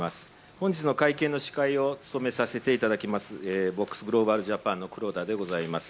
本日の会見の司会を務めさせていただきます、ボックスグローバルジャパンのくろだでございます。